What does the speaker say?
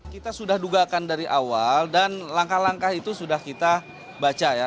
kita sudah duga akan dari awal dan langkah langkah itu sudah kita